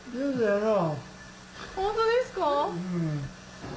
ホントですか？